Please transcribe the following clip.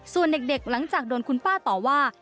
ส่วนเด็กหลังจากโดนคุณป้าต่อว่า